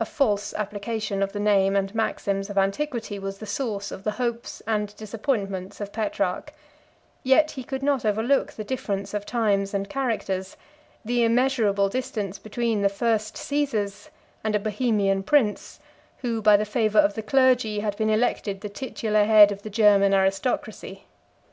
A false application of the name and maxims of antiquity was the source of the hopes and disappointments of Petrarch; yet he could not overlook the difference of times and characters; the immeasurable distance between the first Cæsars and a Bohemian prince, who by the favor of the clergy had been elected the titular head of the German aristocracy.